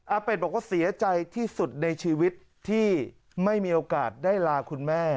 เป็ดบอกว่าเสียใจที่สุดในชีวิตที่ไม่มีโอกาสได้ลาคุณแม่